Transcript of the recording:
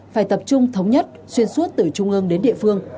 phải tập trung thống nhất xuyên suốt từ trung ương đến địa phương